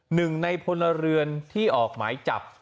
หนึ่งในพลเรือนที่ออกหมายจับ